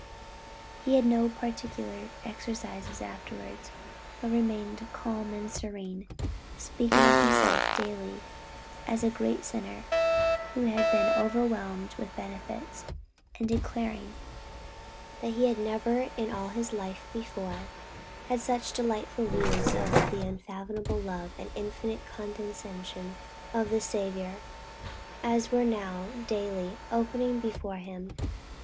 He had no particular exercises afterwards, but remained calm and serene, speaking of himself daily as a great sinner, who had been overwhelmed with benefits, and declaring, that he had never in all his life before, had such delightful views of the unfathomable love and infinite condescension of the Saviour, as were now daily opening before him.